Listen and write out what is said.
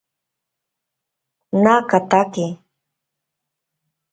Naakatake.